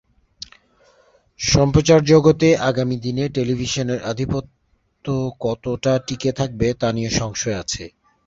সম্প্রচার জগতে আগামী দিনে টেলিভিশনের আধিপত্য কতটা টিকে থাকবে তা নিয়ে সংশয় আছে।